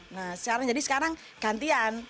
nah sekarang jadi sekarang gantian